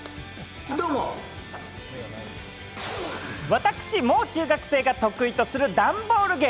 私、もう中学生が得意とする段ボール芸。